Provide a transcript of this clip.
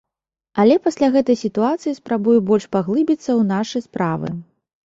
Але пасля гэтай сітуацыі спрабую больш паглыбіцца ў нашы справы.